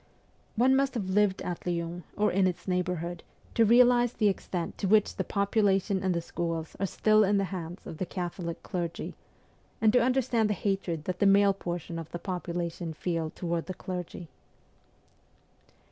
One must have lived at Lyons or in its neighbourhood to realize the extent to which the population and the schools are still in the hands of the Catholic clergy, and to under stand the hatred that the male portion of the population feel toward the clergy.